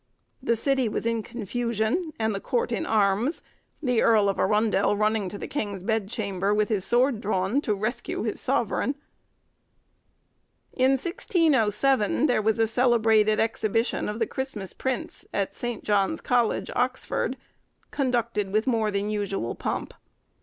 The city was in confusion, and the court in arms, the Earl of Arundel running to the king's bed chamber, with his sword drawn, to rescue his sovereign. In 1607, there was a celebrated exhibition of the Christmas Prince, at St. John's College, Oxford, conducted with more than usual pomp.